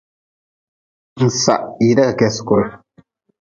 Nsah hii da ka kedi sukure.